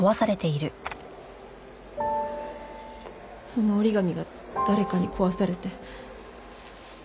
その折り紙が誰かに壊されて。